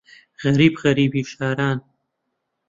غەریب غەریبی شاران